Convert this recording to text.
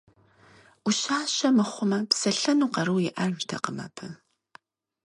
Ӏущащэ мыхъумэ, псэлъэну къару иӀэжтэкъым абы.